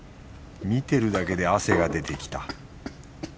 見てるだけで汗が出てきた。